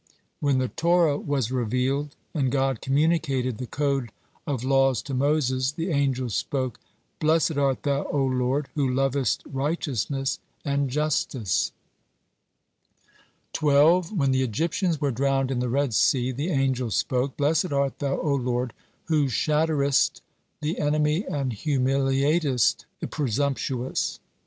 When the Torah was revealed and God communicated the code of laws to Moses, the angels spoke: "Blessed art Thou, O Lord, who lovest righteousness and justice." 12. When the Egyptians were drowned in the Red Sea, the angels spoke: "Blessed art Thou, O Lord, who shatterest the enemy and humiliatest the presumptuous."